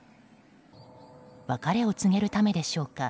別れを告げるためでしょうか